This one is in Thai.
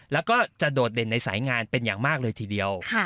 แล้วก็จะโดดเด่นในสายงานเป็นอย่างมากเลยทีเดียว